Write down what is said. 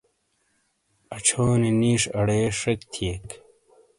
اچھو نی نِیش اڑے شیک تھیئیک۔